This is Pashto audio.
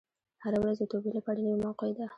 هره ورځ د توبې لپاره نوې موقع ده.